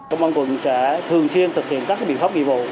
công an quận sẽ thường xuyên thực hiện các biện pháp nghiệp vụ